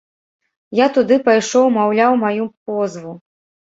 Я туды пайшоў, маўляў маю позву.